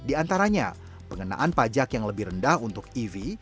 diantaranya pengenaan pajak yang lebih rendah untuk ev